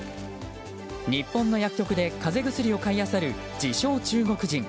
日本の薬局で風邪薬を買いあさる自称中国人。